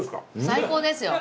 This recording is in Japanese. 最高ですよ。